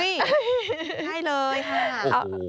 อุ๊ยได้เลยค่ะ